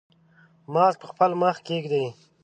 ماسک په خپل مخ کېږدئ.